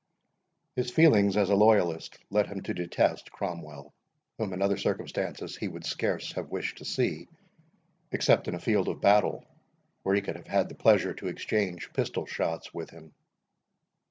His feelings as a loyalist led him to detest Cromwell, whom in other circumstances he would scarce have wished to see, except in a field of battle, where he could have had the pleasure to exchange pistol shots with him.